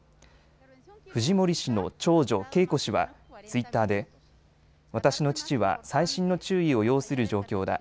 フジモリ氏の長女ケイコ氏はツイッターで私の父は細心の注意を要する状況だ。